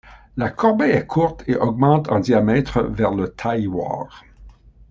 La corbeille est courte et augmente en diamètre vers le tailloir.